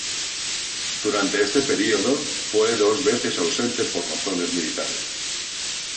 Durante este período, fue dos veces ausente por razones militares.